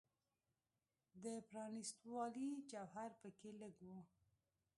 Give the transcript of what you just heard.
د پرانیستوالي جوهر په کې لږ و.